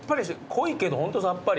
濃いけどホントさっぱり。